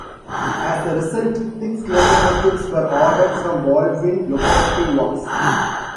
As a result, six locomotives were ordered from Baldwin Locomotive Works.